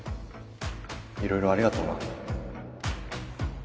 いろいろありがとうな。